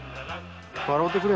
笑ってくれ。